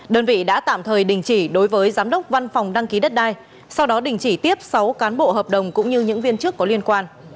đơn vị đã tạm thời đình chỉ đối với giám đốc văn phòng đăng ký đất đai sau đó đình chỉ tiếp sáu cán bộ hợp đồng cũng như những viên chức có liên quan